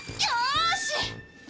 よし！